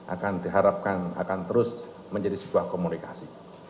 akan diharapkan akan terus menjadi sebuah komunikasi